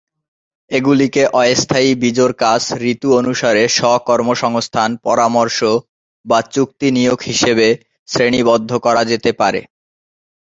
এগুলিকে অস্থায়ী, বিজোড় কাজ, ঋতু অনুসারে, স্ব-কর্মসংস্থান, পরামর্শ বা চুক্তি নিয়োগ হিসাবে শ্রেণীবদ্ধ করা যেতে পারে।